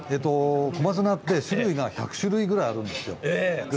小松菜って種類が１００種類くらいあるんですよ。